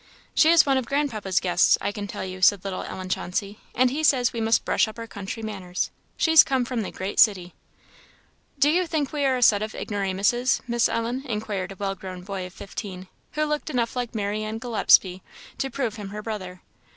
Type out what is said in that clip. "She is one of grandpapa's guests, I can tell you," said little Ellen Chauncey; "and he says we must brush up our country manners she's come from the great city." "Do you think we are a set of ignoramuses, Miss Ellen?" inquired a well grown boy of fifteen, who looked enough like Marianne Gillespie to prove him her brother.